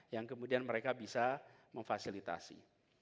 yang kemudian mereka bisa memfasilitasi